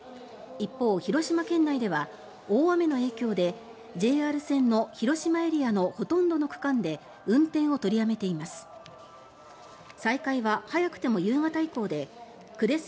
一方、広島県内では大雨の影響でＪＲ線の広島エリアのほとんどの区間で運転を取りやめています。